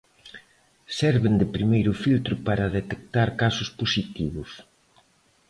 Serven de primeiro filtro para detectar casos positivos.